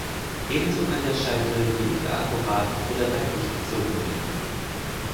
Ebenso kann der Scheitel weniger akkurat oder seitlich gezogen werden.